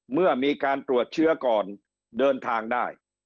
เมื่อมีการตรวจเชื้อก่อนเดินทางได้